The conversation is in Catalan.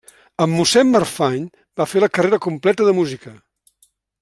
Amb mossèn Marfany va fer la carrera completa de música.